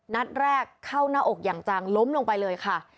นัดแรกเข้าหน้าอกอย่างจังล้มลงไปเลยค่ะ